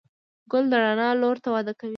ګل د رڼا لور ته وده کوي.